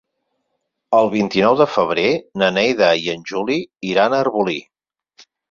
El vint-i-nou de febrer na Neida i en Juli iran a Arbolí.